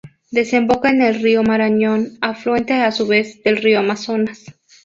Desemboca en el río Marañón, afluente a su vez del río Amazonas.